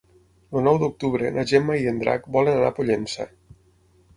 El nou d'octubre na Gemma i en Drac volen anar a Pollença.